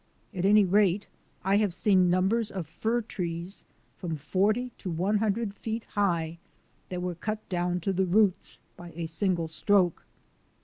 At any rate, I have seen numbers of fir trees from forty to one hundred feet high that were cut down to the roots by a single stroke.